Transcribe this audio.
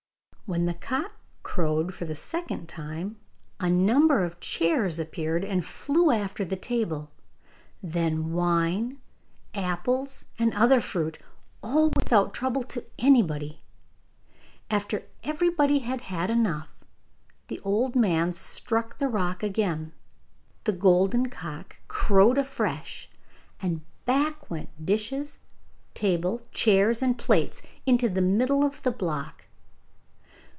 When the cock crowed for the second time, a number of chairs appeared, and flew after the table; then wine, apples, and other fruit, all without trouble to anybody. After everybody had had enough, the old man struck the rock again. The golden cock crowed afresh, and back went dishes, table, chairs, and plates into the middle of the block.